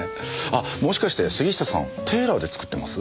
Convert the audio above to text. あもしかして杉下さんテーラーで作ってます？